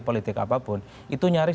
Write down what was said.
politik apapun itu nyaris